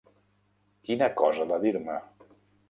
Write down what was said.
Quina cosa de dir-me!